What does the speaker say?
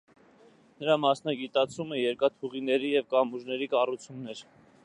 Նրա մասնագիտացումը երկաթուղիների և կամուրջների կառուցումն էր։